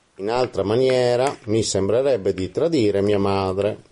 In altra maniera, mi sembrerebbe di tradire mia madre”.